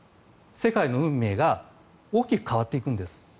世界の運命が大きく変わっていくんです。